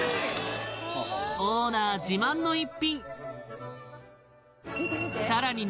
オーナー自慢の一品さらに